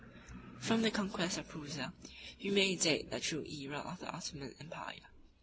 ] From the conquest of Prusa, we may date the true æra of the Ottoman empire.